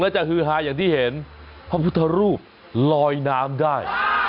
จะฮือฮาอย่างที่เห็นพระพุทธรูปลอยน้ำได้